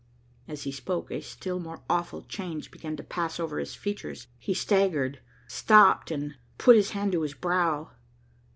As he spoke a still more awful change began to pass over his features. He staggered, stopped, and put his hand to his brow.